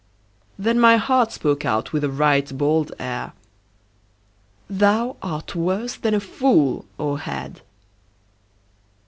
Then my heart spoke out with a right bold air: "Thou art worse than a fool, O head!"